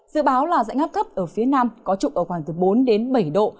dự báo là dãy ngáp thấp ở phía nam có trục ở khoảng từ bốn đến bảy độ